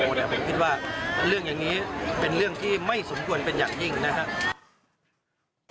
ผมคิดว่าเรื่องอย่างนี้เป็นเรื่องที่ไม่สมควรเป็นอย่างยิ่งนะครับ